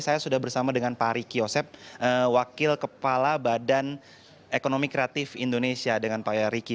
saya sudah bersama dengan pak riki yosep wakil kepala badan ekonomi kreatif indonesia dengan pak riki